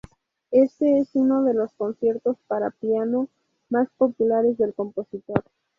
Este es uno de los conciertos para piano más populares del compositor.